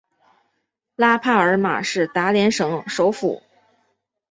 拉帕尔马是达连省首府。